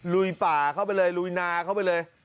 ลุยป่าเข้าไปเลยลุยนาเข้าไปเลย